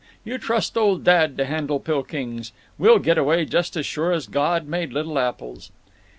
You trust old dad to handle Pilkings. We'll get away just as sure as God made little apples."